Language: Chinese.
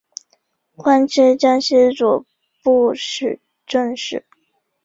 官至江西右布政使。